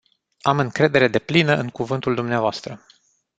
Am încredere deplină în cuvântul dvs.